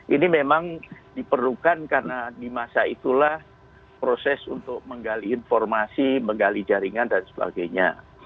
ini memang diperlukan karena di masa itulah proses untuk menggali informasi menggali jaringan dan sebagainya